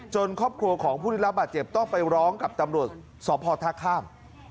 จนครอบครัวของผู้ทิศรัพย์เจ็บต้องไปร้องกับตำรวจสอบพอร์ท่าข้าม